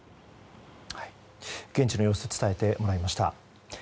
現地の様子を伝えてもらいました。